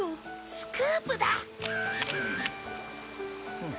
スクープだ！